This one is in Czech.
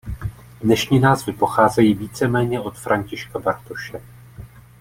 Dnešní názvy pocházejí víceméně od Františka Bartoše.